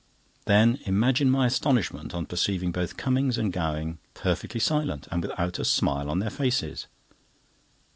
Then imagine my astonishment on perceiving both Cummings and Gowing perfectly silent, and without a smile on their faces.